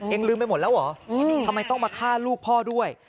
ลืมไปหมดแล้วเหรอทำไมต้องมาฆ่าลูกพ่อด้วย